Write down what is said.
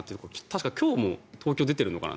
確か今日も東京、出てるのかな。